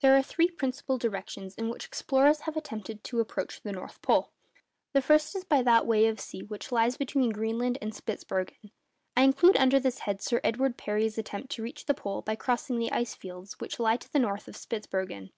There are three principal directions in which explorers have attempted to approach the North Pole. The first is that by way of the sea which lies between Greenland and Spitzbergen. I include under this head Sir Edward Parry's attempt to reach the pole by crossing the ice fields which lie to the north of Spitzbergen.